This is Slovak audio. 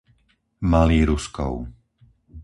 Malý Ruskov